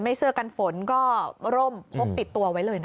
เสื้อกันฝนก็ร่มพกติดตัวไว้เลยนะ